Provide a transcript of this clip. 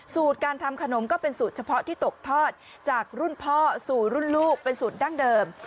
การทำขนมก็เป็นสูตรเฉพาะที่ตกทอดจากรุ่นพ่อสู่รุ่นลูกเป็นสูตรดั้งเดิม